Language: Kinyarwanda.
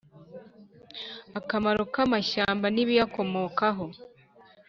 Akamaro k’amashyamba n’ibiyakomokaho